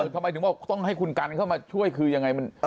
ทำไมถึงบอกต้องให้คุณกันเข้ามาช่วยคือยังไง